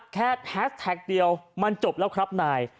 แฮสแท็กเดียวมันจบแล้วครับนาย